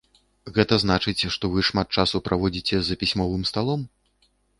Гэта значыць, што вы шмат часу праводзіце за пісьмовым сталом?